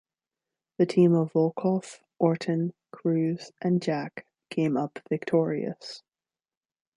The team of Volkoff, Orton, Cruz, and Jack came up victorious.